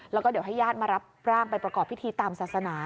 แล้วก็เดี๋ยวให้ญาติมารับร่างไปประกอบพิธีตามศาสนา